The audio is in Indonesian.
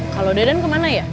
kalau deden kemana ya